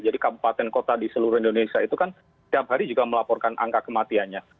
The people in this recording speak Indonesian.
jadi kabupaten kota di seluruh indonesia itu kan setiap hari juga melaporkan angka kematiannya